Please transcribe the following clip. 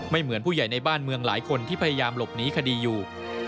เหมือนผู้ใหญ่ในบ้านเมืองหลายคนที่พยายามหลบหนีคดีอยู่